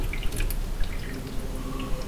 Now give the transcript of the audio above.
কিন্তু নির্ভর করে মানের ওপর।